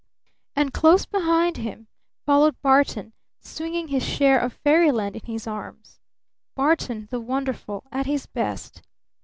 And close behind him followed Barton, swinging his share of fairyland in his arms! Barton the wonderful at his best!